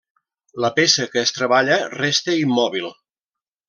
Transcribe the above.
La peça que es treballa resta immòbil.